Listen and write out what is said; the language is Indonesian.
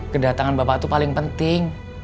kedatangan bapak itu paling penting